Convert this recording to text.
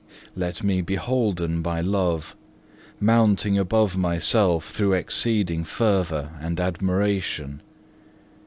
Let me be holden by love, mounting above myself through exceeding fervour and admiration.